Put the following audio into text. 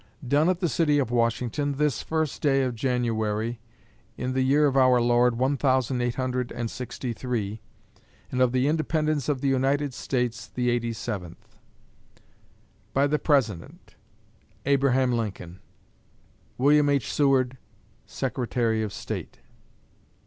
Done at the City of Washington, this first day of January, in the year of our Lord one thousand eight hundred and sixty three, and of the independence of the United States the eighty seventh. By the President: ABRAHAM LINCOLN. WILLIAM H. SEWARD, Secretary of State.